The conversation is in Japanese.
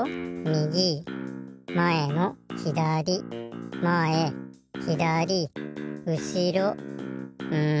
みぎまえのひだりまえひだりうしろん